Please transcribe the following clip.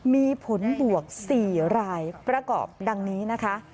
มีผลบวก๔รายประกอบดังนี้นะคะ